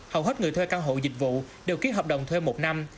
hầu hết người thuê căn hộ dịch vụ đều ký hợp đồng thuê một năm